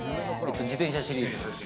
自転車シリーズ。